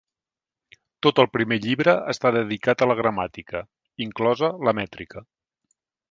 Tot el primer llibre està dedicat a la gramàtica, inclosa la mètrica.